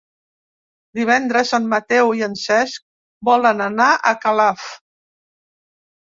Divendres en Mateu i en Cesc volen anar a Calaf.